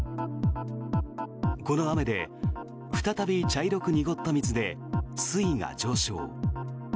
この雨で再び茶色く濁った水で水位が上昇。